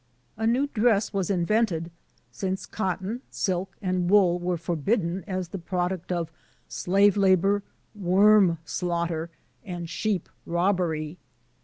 A new dress was invented, since cotton, silk, and wool were forbidden as the product of slave labor, worm slaughter, and sheep robbery.